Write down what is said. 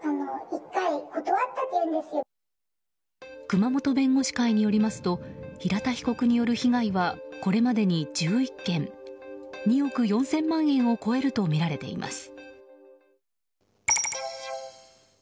熊本弁護士会によりますと平田被告による被害はこれまでに１１件２億４０００万円を超えるとみられています。